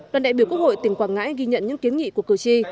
đoàn đại biểu quốc hội tỉnh quảng ngãi ghi nhận những kiến nghị của cử tri